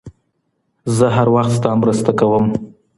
زه هر وخت ستا مرسته کوم.